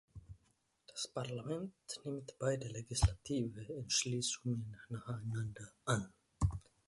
Das Parlament nimmt beide legislative Entschließungen nacheinander an.